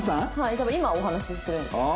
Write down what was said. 多分今お話ししてるんですけど。